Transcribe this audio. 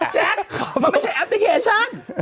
แจ๊คมันไม่ใช่แอปพลิเคชัน